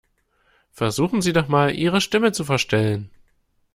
Versuchen Sie doch mal, Ihre Stimme zu verstellen.